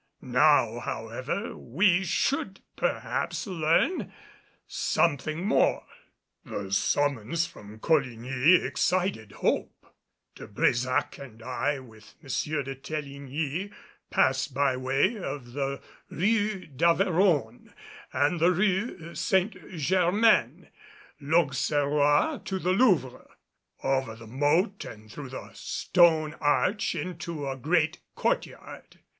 Now however, we should perhaps learn something more. The summons from Coligny excited hope. De Brésac and I, with M. de Teligny, passed by way of the Rue d'Averon and the Rue St. Germain l'Auxerrois to the Louvre, over the moat and through a stone arch into a great courtyard.